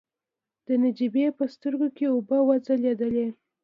د نجيبې په سترګو کې اوبه وځلېدلې.